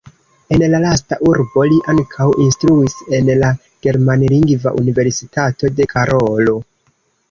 En la lasta urbo li ankaŭ instruis en la germanlingva Universitato de Karolo.